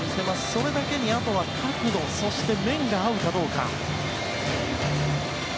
それだけにあとは角度そして面が合うかどうか。